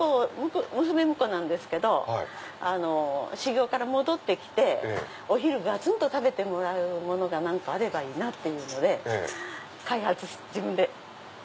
娘婿なんですけど修業から戻ってきてお昼がつんと食べてもらうものが何かあればいいなぁというので開発して自分で。